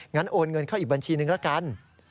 โอนเงินเข้าอีกบัญชีนึงละกัน